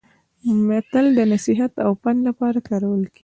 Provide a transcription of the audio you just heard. متل د نصيحت او پند لپاره کارول کیږي